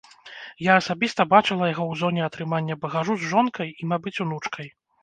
Я асабіста бачыла яго ў зоне атрымання багажу з жонкай і, мабыць, унучкай.